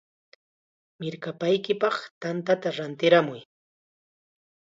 ¡Mirkapaykipaq tantata rantiramuy!